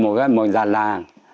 lọc hô là một gia làng